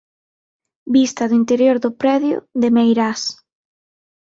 Vista do interior do predio de Meirás.